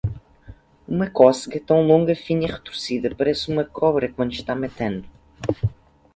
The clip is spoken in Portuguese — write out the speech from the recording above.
Uma cócega, tão longa, fina e retorcida, parece uma cobra quando está matando.